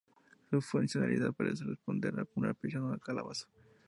Su funcionalidad parece responder a una prisión o calabozo.